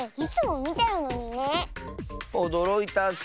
おどろいたッス！